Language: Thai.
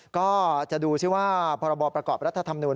ก็จะดูชื่อว่าปรบประกอบรัฐธรรมนุน